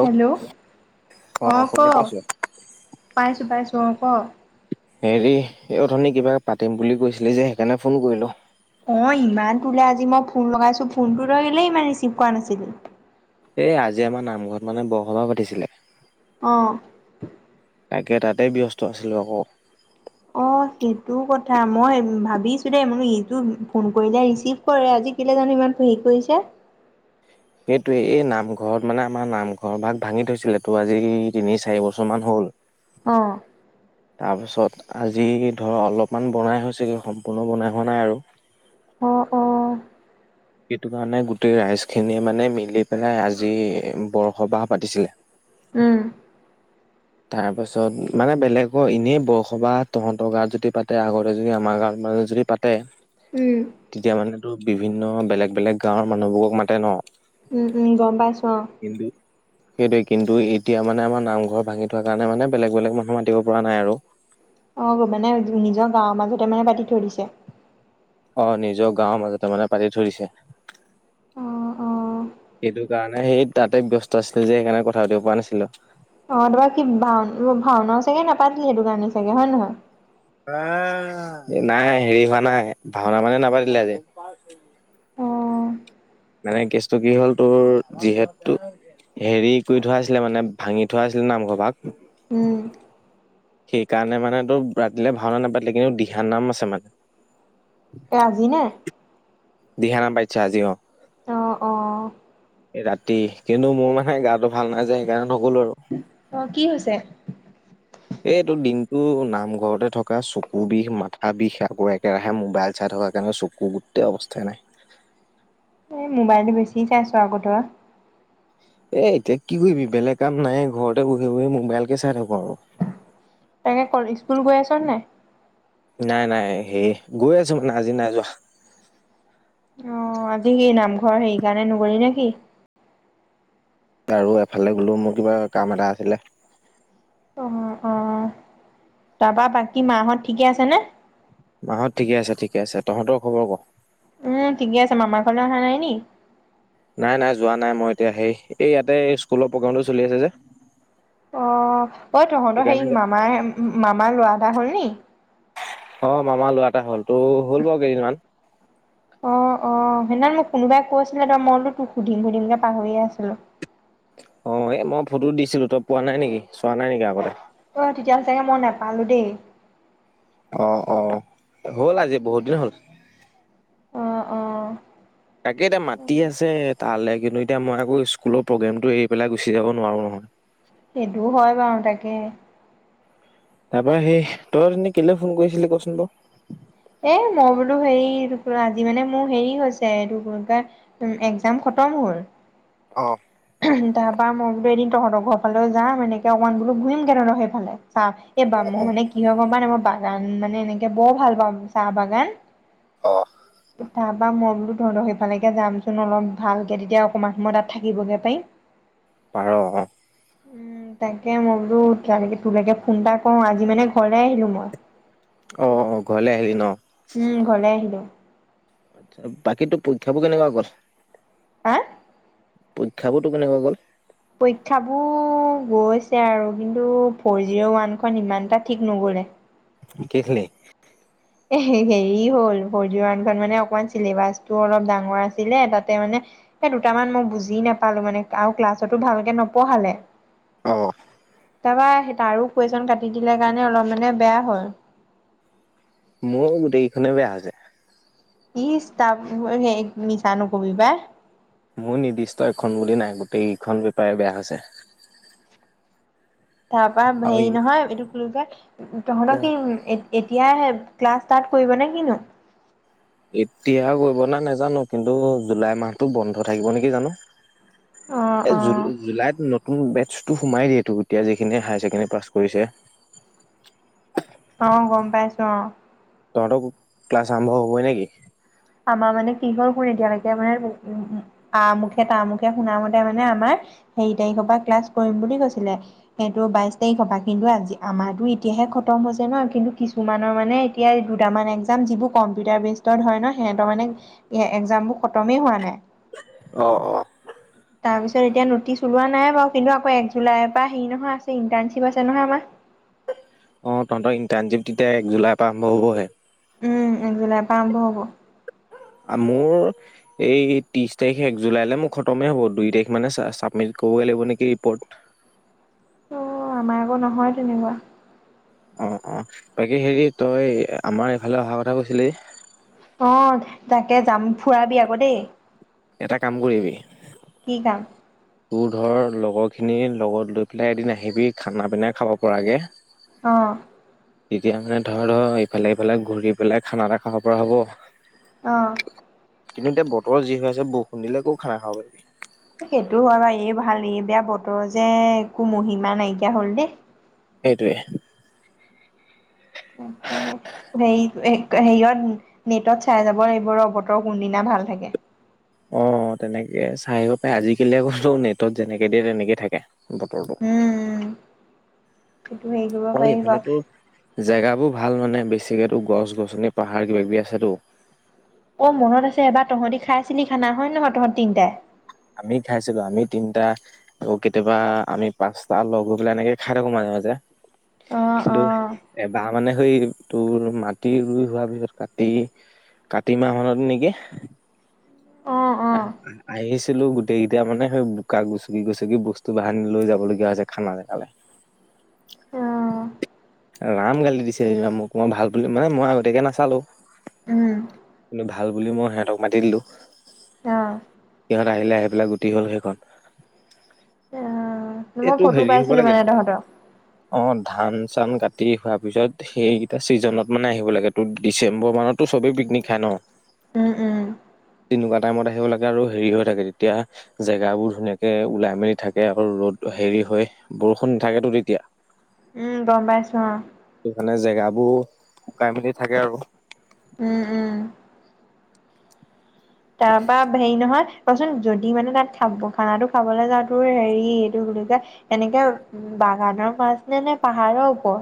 Hello অ ক শুনি পাইছো পাইছো পাইছো চপ হেৰি এই ধনী কিবা পাতিম বুলি কৈছিলি যে সেইকাৰণে ফোন কৰিলো অ ইমান তোলে আজি মই ফোন লগাইছো ফোনটো লৈ গিললে ইমান ৰিচিভ কৰা নাছিলো এই আজি আমাৰ নামঘৰত মানে বৰসভা পাতিছিলে। অ তাকে, তাতেই ব্যস্ত আছিলোঁ আকৌ অ সেইটো কথা মই ভাবিছো দেই মানে ইতো ফোন কৰিলে ৰিচিভ কৰে আজি কিলে জানো ইমান হেৰি কৰিছে সেইটোৱে, এই নামঘৰত মানে আমাৰ নামঘৰ ভাগ ভাঙি থৈছিল ত' আজি তিনি-চাৰি বছৰ মান হ'ল আহ তাৰপিছত আজি ধৰ অলপমান বনাই হৈছে কিন্তু সম্পূৰ্ণ বনাই হোৱা নাই আৰু অঁ অঁ সেইটো কাৰণে গোটেই ৰাইজ খিনিয়ে মানে মিলি পেলাই আজি বৰসভা পাতিছিলে। উম তাৰ পাছত, মানে বেলেগৰ এনেই বৰসভা তহঁতৰ গাঁৱত যদি পাতে আগতে যদি আমাৰ গাঁৱত মানে যদি পাতে উম তেতিয়া মানে বিভিন্ন বেলেগ-বেলেগ গাঁৱৰ মানুহবোৰক মাতে ন। উম, উম, গম পাইছো অ সেইটোৱে, কিন্তু এতিয়া মানে আমাৰ নামঘৰ ভাঙি কাৰণে মানে বেলেগ-বেলেগ মানুহ মাতিব পৰা নাই আৰু অ মানে নিজৰ গাঁৱৰ মাজতে মানে পাতি থৈ দিছে অ নিজৰ গাঁওৰ মাজতে মানে পাতি থৈ দিছে, অ অ সেইটো কাৰণে সেই তাতে ব্যস্ত আছিলে যে সেইকাৰণে কথা পাতিব পৰা নাছিলো। অ তাৰপা কি ভাও-ভাওনা চাগে নাপাত আহ নাই, হেৰি হোৱা নাই, ভাওনা মানে নাপাতিলে আজি। মানে কেছটো কি হ'ল তোৰ যিহেতু, হেৰি কৰি থোৱা আছিলে মানে ভাঙি থোৱা আছিলে নামঘৰ উম ভাগ সেইকাৰণে মানে ত' ৰাতিলে ভাওনা নাপাতিলে কিন্তু দিহা নাম আছে মান এ আজি নে? দিহা নাম পাতিছে আজি অ'। অ, অ' এই ৰাতি কিন্তু মোৰ মানে গাটো ভাল নাই যে সেইকাৰণে নকলো আৰু। অ কি হৈছে? এইটো দিনটো নামঘৰতে থকা চকু বিষ, মাথা বিষ, আকৌ একেৰাহে মোবাইল চাই থকাৰ কাৰণে চকু গোটেই অৱস্থ তেনেই মোবাইলটো বেছি চাই আছো আকৌ ধৰা এ এতিয়া কি কৰিবি বেলেগ কাম নাই ঘৰতে বহি-বহি মোবাইল কে চাই থাকো আৰু তাকে [unintelligible] স্কুল গৈ আছো নে নাই? নাই, নাই, সেই গৈ আছো মানে আজি নাই যোৱা অ আজি সেই নামঘৰ সেইকাৰণে নগলি নেকি? আৰু এফালে গলেও মোৰ কিবা কাম এটা আছিলে অ, অ, তাৰপা বাকী মাহঁত ঠিকে আছে নে? মাহঁত ঠিকে আছে, ঠিকে আছে, তহঁতৰ খবৰ কো? উম, ঠিকে আছে, মামাৰ ঘৰলৈ অহা নাই নি? নাই, নাই, যোৱা নাই, মই এতিয়া সেই, এই ইয়াতে স্কুলৰ প্ৰগ্ৰোমটো চলি আছে যে অ' ঐ তহঁতৰ সেই সেইকাৰণে মামাৰ, মামাৰ ল'ৰা এটা হল নি? [inaudible] অ মামাৰ ল'ৰা এটা হ'ল, ত' হ'ল বাৰু কেইদিনমান অ, অ, সেইদিনা মোক কোনোবাই কৈছিলে, ত মই তোক সুধিম-সুধিম কে পাহৰিয়ে আছিলো। অ এ মই ফটো দিছিলো, তই পোৱা নাই নেকি? চোৱা নাই নেকি আগতে? অ তেতিয়াহ'লে চাগে মই নাপালো দেই আহ অ হ'ল আজি বহুত দিন হ'ল আহ আহ তাকে এতিয়া মাতি আছে তালে কিন্তু এতিয়া মই আকৌ স্কুলৰ প্ৰগ্ৰেমতটো এৰি পেলাই গুচি যাব নোৱাৰো নহয় সেইটোও হয় বাৰু তাকে তাৰপৰা সেই তই এ কেলে ফোন কৰিছিলি কচোন ক এ মই বোলো হেৰি আজি মানে মোৰ হেৰি হৈছে এই এক্জাম খতম হ'ল অ তাৰ বা মই বো এদিন তহঁতৰ ঘৰ ফালেও যাম এনেক অকমান বো ঘূৰিম কেনেহৰ সেইফালে চা এই বা মই অ। মানে কি হয়ম পা মানে মই বাগান মানে এনেকে বৰ ভাল পাওঁ চাহ বগান অ পঠা বা মই বোলো ধৰ লক সেইফালেকে যামচোন অলপ ভালকে তেতিয়া অকমান সময় তাত থাকিবগে পাৰিম পাৰ উম তাকে মই বোলো তোলৈকে ফোন এটা কৰো আজি মানে ঘৰলে আহিলো মই অ অ ঘৰলে আহিলি ন উম ঘৰলে আহিলো আচছা বাকীতো পৰীক্ষাবোৰ কেনেকুৱা গল হা পৰীক্ষাবোৰ তোৰ কেনেকুৱা গ'ল পৰীক্ষাবোৰ গৈছে আৰু কিন্তু ফ'ৰ জিৰ' ওৱানখন ইমান এটা ঠিক নগলে কি খালি এ হেৰি হ'ল ফৰ জিৰ ৱানখন মানে অকমান চিলেবাচটো অলপ ডাঙৰ আছিলে তাতে মানে স দুটামান মই বুজি নাপালো মানে আৰু ক্লাছতো ভালকে নপঢ়ালে তাৰপৰা তাৰো কুইশ্চ্যন কাটি দিলে কাৰণে অলপ মানে বেয়া হয় মোৰ গোটেইকেইখনে বেয়া হৈছে ইচ তাৰ মিচা নকবি বা মোৰ নিৰ্দিষ্ট এখন বুলি নাই গোটেইকখন পেপাৰে বেয়া হৈছে তাৰ পৰা আৰু হেৰি ই নহয় এইটো কুলকে ক তহঁতৰ কি এট এতিয়াই আহে ক্লাছ ষ্টাৰ্ট কৰিব নে কিনো এতিয়া কৰিব ন নাই জানো কিন্তু জুলাই মাহতটো বন্ধ থাকিব নেকি জানো অ', এই জুল অ', জুলাইত নতুন বেচ সোমাই দিয়েতটো এতিয়া যিখিনি হায়াৰ ছেকেণ্ডেৰী পাছ কৰিছে অ গম পাইছো অ তহঁতৰ ক্লাছ আৰম্ভ হবই নেকি আমাৰ মানে কি হল শুন এতিয়ালৈকে মানে আ মুখে ত মুুখে শুনা মতে মানে আমাৰ হেৰি তাৰিখৰ পৰা ক্লাছ কৰিম বুলি কৈছিলে সেইটো বাইশ তাৰিখৰ পৰা কিন্তু আজি আমাৰো এতিয়াহে খতম হৈছে ন কিন্তু কিছুমানৰ মানে এতিয়া দুটামান এক যিবোৰ কম্পিউটাৰ বেচৰ হয় ন সিহঁতৰ মানে এক্জামবোৰ খতমেই হোৱা নাই অ অ তাৰপিছত এতিয়া নটিচ ওলোৱা নাইাৰু কিন্তু আকৌ এক জুলাইৰ পৰা হেৰি নহয় আছে ইণ্টাৰ্শ্বিপ আছে নহয় আমাৰ [unintelligible] অ তহঁতৰ ইণ্টাৰ্ণশ্বিপ তেতিয়া এক জুলাইৰ পৰা আৰম্ভ হ'বহে উম জুলাইৰ পৰা আৰম্ভ হ'ব মোৰ এই ত্ৰিশ তাৰিখ এক জুলাইলৈ মোৰ খতমেই হ'ব দুই তাৰিখ মানে চাবমিট কৰিবগৈ লাগিব নেকি ৰিপৰ্ট [unintelligible] অ আমাৰ আকৌ নহয় তেনেকুৱা অ অ বাকী হেৰি তই আমাৰ এইফালে অহাৰ কথা কৈছিলি অ তাকে যাম ফুৰাবি আকৌ দেই এটা কাম কৰিবি কি কাম তোৰ ধৰ লগৰ খিনিৰ লগত লৈ পেলাই এদিন আহিবি খানা পিনা খাব পৰাগে অ', তেতিয়া মানে ধৰ ধৰ ইফালে ইফালে ঘূৰি পেলাই খানা এটা খাব পৰা হ'ব আহ কিন্তু এতিয়া বতৰ যি হৈ আছে বৰষুণ দিলে একো খানা খাব পাৰিবি সেইটো হয় বাৰু এই ভাল এই বেয়া বতৰ যে একো মহিমা নাইকিয়া হল দেই সেইটোৱে সেই [unintelligible] হেৰিয়ত নেটত চাই যাব এইবোৰ অবতৰ কোনদিনা ভাল থাকে [unintelligible] অ তেনেকে চাইআহিব পায় আজিকালি আকৌ নেটত যেনেকে দিয়ে তেনেকে থাকে বতৰ দ [unintelligible] উম, সেইটো হেৰি কৰিব অ পাৰি বাৰু এইফালেতো জেগাবোৰ ভাল মানে বেছিকো গছ গছনি পাহাৰ কিবা কিবি আছেতো [unintelligible] অ মনত আছে এবাৰ তহঁতি খাই চিনি খানা হয় নে নহয় তহঁত তিনটাই [unintelligible] আমি খাইছিলো আমি তিনটা কেতিয়াবা আমি পাঁচটা লগ হৈ পেলাই এনেকে খাই থাকো মাজে মাজে [unintelligible] অ', কিন্তু অ', এবাহ মানে সেই তোৰ মাটি ৰুই হোৱাৰ পিছত কাতি কাতি মাহ মানত নেকি অ আহ ছিলো গোটেইকেইটায়া মানে সেই বোকা গুচুকি গুচুকি বস্তু বাহানি লৈ যাব লগগীয়া হৈছে খানা জেগালে [unintelligible] ৰাম গালি দিছে যেিবা মোক তোই ভাল বুলি মানে মই আগতীয়াকে নচালো উম, কিন্ত ভাল ভাল বুলি মই সিহঁতক মাতি দিলোঁ অ'। সিহত আহিলে আহি পেলাই পাই গুটি হ'ল সেইখন অ মই এইটো ফটো হেৰি হ'ব পাইছিলো লাগে মানে তহঁতৰ অ ধান চান কাটি হোৱাৰ পিছত সেইকেইটা চিজনত মানে আহিব লাগে ত ডিচেম্বৰ মাহততো চবেই পিকনিক খাই ন [unintelligible] উম উম তেনেকুৱা টাইমত আহিব লাগে আৰু হেৰি হৈ থাকে তেতিয়া জেগাবোৰ ধুনীয়াকে ওলাই মেলি থাকে আৰু ৰ'দ [unintelligible] হেৰি হয় বৰষুণ নাথাকেতো তেতিয়া উম গম পাইছো অ মানে জেগাবোৰ শুকাই মেলি থাকে আৰু উম উম তাৰপৰা হেৰি নহয় কোৱাচোন যদি মানে তাত খাব খানাটো খাবলৈ যাওঁ তো হেৰি এইটো বুলি কয় এনেকে বাগানৰ মাছ নে নে পাহাৰৰ ওপৰৰ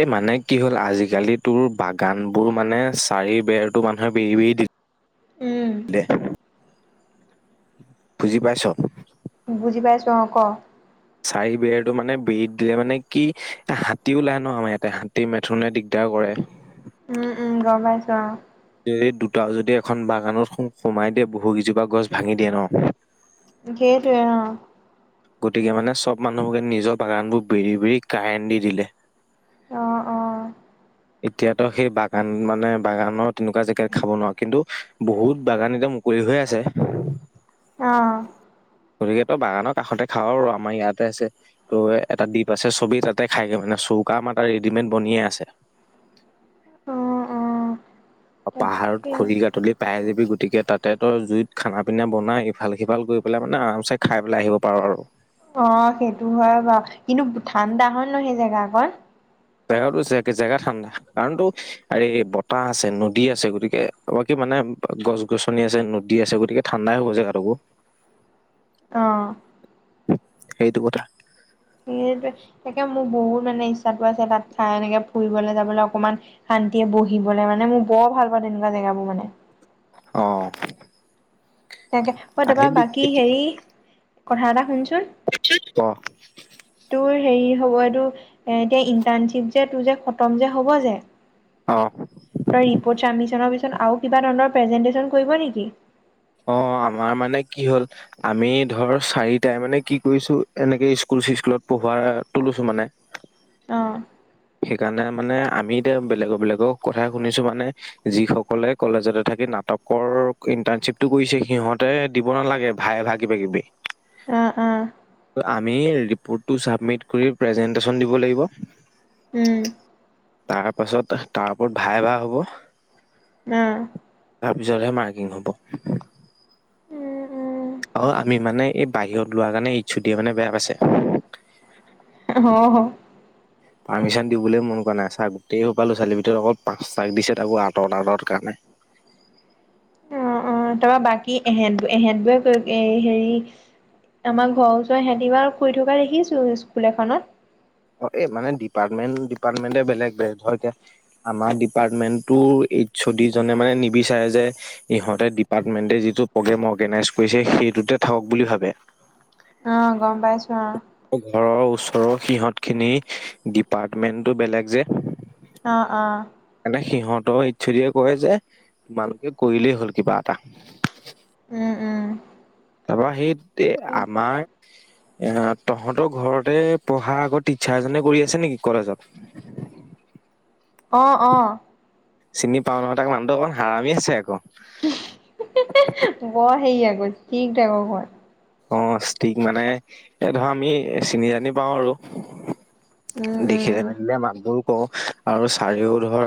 এ মানে কি হ'ল আজিকালি তোৰ বাগান বোৰ মানে চাৰি বেৰতো মানুহে বিৰি বেৰি দি দে উম বুজি পাইছ । বুজি পাইছো অ ক। চাৰি বেৰটো মানে বেৰি দিলে মানে কি হাতী ওলাই ন আমাৰ ইয়াতে হাতী মেথুনে দিগদাৰ কৰে । উম উম গম পাইছো অ । এই দুটাও যদি এখন বাগানত সো সোমাই দিয়ে বহুকেইজোপা গছ ভাঙি দিয়ে ন । সেইটোৱে অ । গতিকে মানে চব মানুহকে নিজৰ বাগানবোৰ বেৰি বেৰি কাৰেণ্ট দি দিলে । অ অ । এতিয়াটো সেই বাগান মানে বাগানৰ তেনেকুৱা জেগাত খাব নোৱাৰো কিন্তু বহুত বাগান এতিয়া মুকলি হৈ আছে । অ । গতিকেটো বাগানৰ কাষতে খাও আৰু আমাৰ ইয়াতে আছে তো এটা দ্বীপ আছে চবেই তাতে খাইগে মানে চৌকা আমাৰ তাত ৰেডিমেড বনিয়ে আছে । অ অ অ পাহাৰত তাকে খৰি কাটোতে পায় যাবি গৈ গতিকে তাতে তই জুইত খানা পিনা বনাই ইফাল সিফাল কৰি পেলাই মানে আৰাম চে খাই পেলাই আহিব পাৰ আৰু । অ সেইটো হয় বাৰু কিন্তু ঠাণ্ডা হয় নহয় সেই জেগা কণ । জেগাতো জেগা ঠাণ্ডা কাৰণতো আৰেই বতাহ আছে নদী আছে গতিকে বাকী মানে গছ গছনি আছে নদী আছে গতিকে ঠাণ্ডাই হ'ব জেগাটোকো । অ । সেইটো কথা । সেইটোৱে তাকে মোৰ বহুত মানে ইচ্ছাটো আছে তাত চাই এনেকে ফুৰিবলৈ যাবলৈ অকনমান শান্তিয়ে বহিবলৈ মানে মোৰ বৰ ভাল পাওঁ তেনেকুৱা জেগাবোৰ মানে । অ । তাকে মই তাৰপা বাকী হেৰি কথা এটা শুনছো । ক তোৰ হেৰি হ'ব এইটো এ এতিয়া ইন্টাৰনশ্বিপ যে তোৰ যে খতম যে হ'ব যে অ । তই ৰিপৰ্ট চাবমিছন পিছত । আৰু কিবা ধৰণৰ প্ৰেজেনটেচন কৰিব নেকি? অ আমাৰ মানে কি হ'ল আমি ধৰ চাৰিটাই মানে কি কৰিছো এনেকে স্কুল চিস্কুল পঢ়োৱাৰ তো লৈছো মানে । অ সেইকাৰণে মানে আমি এতিয়া বেলেগৰ বেলেগৰ কথা শুনিছো মানে যি সকলে কলেজতে থাকি নাটকৰ ইণ্টাৰ্ণশ্বিপটো কৰিছে সিহঁতে দিব নালাগে ভাই ভা কিবা কিবি । অ অ । আমি ৰিপ্‌টটো চাবমিট কৰি প্ৰেজেনটেচন দিব লাগিব । উম । তাৰ পাছত তাৰ ওপৰত ভাই ভা হ'ব। উম তাৰপিছতহে মাৰ্কিং হ'ব । উম । এই বাহিৰত লোৱাৰ কাৰণে এইচ-অ'-ডিয়ে মানে বেয়া পাইছে । হ হ । পাৰ্মিশ্যন দিবলৈ মন কৰা নাই চা গোটেই সোপা ল'ৰা ছোৱালি ভিতৰত অকল পাঁচ তাক দিছে তাকো আঁতৰত আঁতৰত কাৰণে অ অ তাৰপৰা বাকী এহঁত এহঁত বোৰে হেৰি আমাৰ ঘৰৰ ওচৰ এহঁতি বা কৰি থকা দেখিছো স্কুল এখনত। অ এই মানে ডিপাৰ্টমেণ্ট ডিপাৰ্টমেণ্টে বেলেগ বেলেগ ধৰ এতিয়া আমাৰ ডিপাৰ্টমেণ্টটো এইচ-অ'-ডি জনে মানে নিবিচাৰে যে ইহঁতে ডিপাৰ্টমেণ্টে যিটো প্ৰগেম অৰ্গেনাইজ কৰিছে সেইটোতে থাকক বুলি ভাবে । অ গম পাইছো অ । ঘৰৰ ওচৰৰ সিহঁত খিনি ডিপাৰ্টমেন্টটো বেলেগ যে । আহ আহ! ইছ দে কয় যে তোমালোকে কৰিলেই হ'ল কিবা এটা [inaudible] উম, উম, তাৰপৰা সেই আমাৰ এ তহঁতৰ ঘৰতে পঢ়া আগৌ টিচাৰ এজনে কৰি আছে নেকি কলেজত। অ', অ', চিনি পাওঁ নহয় তাক মানুহ অক হৰাামি আছে আৰু বৰ সে আৰু ঠিক থাক ঘ অ ষ্টিক মানে এ ধৰা আমি চিনি জানি পাও আৰু উম, দেখিলে উম, মে মানুহ অ আৰু চাৰিও ধৰ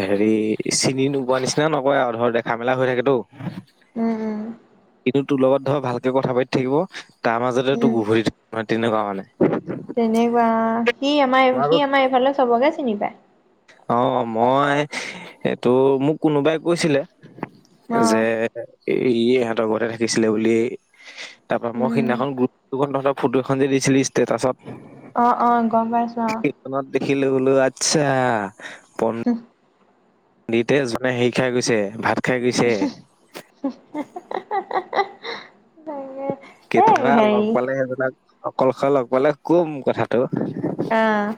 হেৰি চিনি নোবোৱা নিচিনা নকয় আৰু ধৰ দেখা মেলা হৈ থাকেতো উম, উম, কিন্তু তোৰ লগত ধৰ ভালকে কথা পাতি থাকিব। তাৰ মাজতেতো উম। গোবৰি তেনেকুৱা মানে তেনেকুৱা সি আমাৰ মই আকৌ সি আমাৰ এইফালে চবকে চনিবা অ মই এইটো মোক কোনোবাই কৈছিলে। যে অ', এ ই ইহঁতৰ ঘতে থাকিছিলে বুলি। তাৰ পৰাা মই উম, সিদিনাখন বু ধৰিলেও ফটো এখন যে দিছিলি তাৰপাছত অ অ গম পাইছো আহ কীৰ্তনত দেখিলো বোলো আচ্ছা অ! উম! দিতেজ মানে হেৰি খাই গৈছে ভাত খাই গৈছে [inaudible] তে কেতিয়াবা লগ পালে সেইবিলাক কলশ লগ পালে কম কথাটো অ',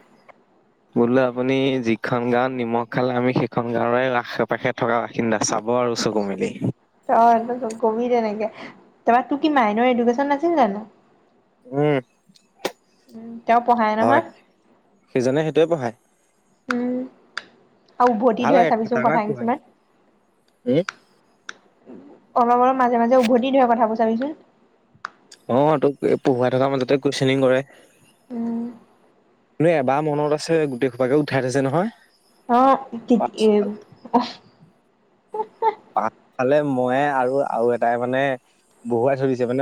বোলো আপুনি যিখন গাঁৱত নিমখ খালে আমি সেইখন গাঁৱৰে আশে পাশে থকা বাসিন্দা। চাব আৰু চকু মেলি [unintelligible] কবি তেনেকে তাৰপৰা তোৰ কি মাইনৰ এডুকেশ্যন নাছিল জানো? উম উম তেওঁ পঢ়াই হয় নহয় সিজনে সেইটোয়ে পঢ়ায়। উম আৰু উভতি ভাল ধৰে লাগে চাবিচোন খাতাৰনাক কথা পঢ়ায় কিছুমান অলপ অলপ মাজে মাজে উভতি ধৰে কথা বোৰ। চাবিচোন। অ উম তোক পঢ়ুৱাই থকা মাজতে কোৱেছনিিং কৰে। উম। এবাৰ মনত আছে গোটেই খোপাকে উঠাই থৈছে নহয়। অহ পাছফাল [unintelligible] ফালে মইয়ে আৰু আৰু এটাই মানে বহুৱাই থৈ দিছে মানে।